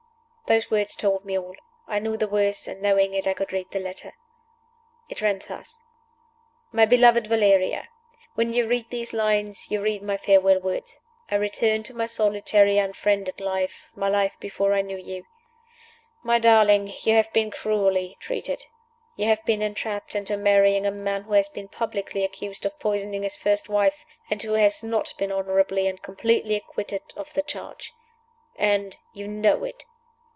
Those words told me all. I knew the worst; and, knowing it, I could read the letter. It ran thus: "MY BELOVED VALERIA When you read these lines you read my farewell words. I return to my solitary unfriended life my life before I knew you. "My darling, you have been cruelly treated. You have been entrapped into marrying a man who has been publicly accused of poisoning his first wife and who has not been honorably and completely acquitted of the charge. And you know it!